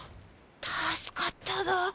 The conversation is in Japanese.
助かっただ。